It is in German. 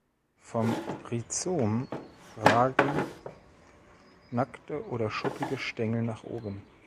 Vom Rhizom ragen nackte oder schuppige Stängel nach oben.